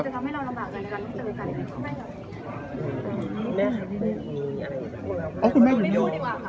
แต่ว่ายังไม่ได้คบกันนะคะ